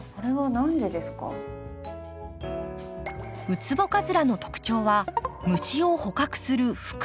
ウツボカズラの特徴は虫を捕獲する袋。